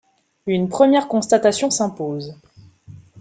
Une première constatation s'impose.